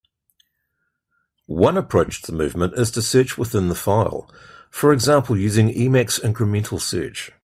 One approach to movement is to search within the file, for example using Emacs incremental search.